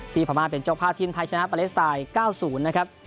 พม่าเป็นเจ้าภาพทีมไทยชนะปาเลสไตน์๙๐นะครับ